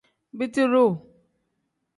Biti duu.